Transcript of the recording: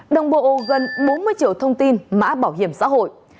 đồng bộ gần bốn mươi triệu thông tin mã bảo hiểm xã hội